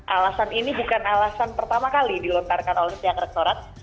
alasan ini bukan alasan pertama kali dilontarkan oleh pihak rektorat